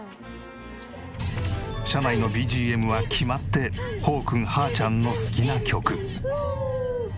車内のＢＧＭは決まってホーくんハーちゃんの好きな曲。